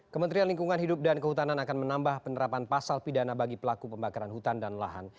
kementerian lingkungan hidup dan kehutanan akan menambah penerapan pasal pidana bagi pelaku pembakaran hutan dan lahan